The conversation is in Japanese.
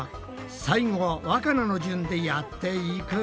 最後はわかなの順でやっていくぞ！